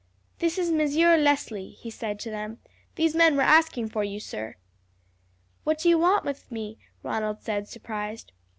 "This is Monsieur Leslie," he said to them. "These men were asking for you, sir." "What do you want with me?" Ronald said surprised.